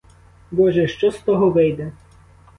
Боже, що з того вийде?